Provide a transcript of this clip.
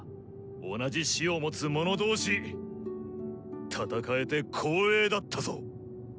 同じ師を持つ者同士戦えて光栄だったぞ。